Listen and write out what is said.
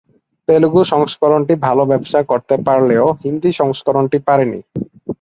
তেলুগু সংস্করণটি ভালো ব্যবসা করতে পারলেও হিন্দি সংস্করণটি পারেনি।